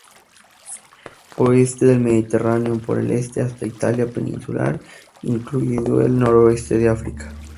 Oeste del Mediterráneo, por el este hasta Italia peninsular, incluido el noroeste de África.